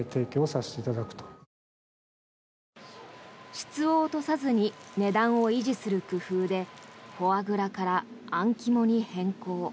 質を落とさずに値段を維持する工夫でフォアグラからあん肝に変更。